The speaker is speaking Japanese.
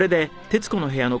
『徹子の部屋』は